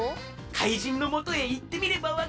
かいじんのもとへいってみればわかる。